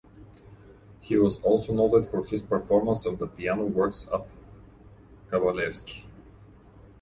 He was also noted for his performances of the piano works of Kabalevsky.